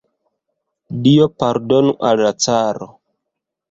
Dio pardonu al la caro!